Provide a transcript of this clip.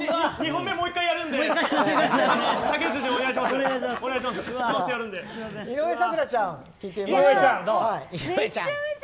２本目もう１回やるんで竹内ズ